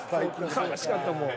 悲しかったもん。